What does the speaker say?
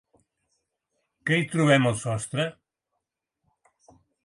Què hi trobem al sostre?